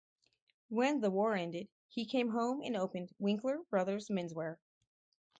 When the war ended, he came home and opened "Winkler Brothers Menswear".